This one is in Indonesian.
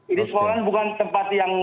ini sekolah bukan tempat yang